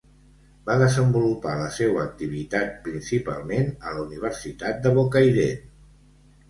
Va desenvolupar la seua activitat principalment a la Universitat de Bocairent.